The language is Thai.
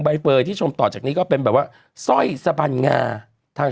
ใบเฟย์ที่ชมต่อจากนี้ก็เป็นแบบว่าสร้อยสะบันงาทาง